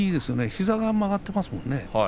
膝が曲がっていますものね。